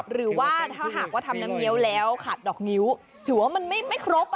หรือว่าถ้าหากว่าทำน้ำเงี้ยวแล้วขาดดอกนิ้วถือว่ามันไม่ครบ